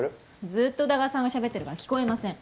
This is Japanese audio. ずっと宇田川さんがしゃべってるから聞こえません。